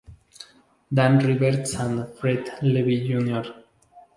Dan Reeves and Fred Levy Jr.